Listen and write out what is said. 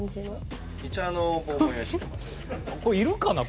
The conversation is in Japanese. これいるかな？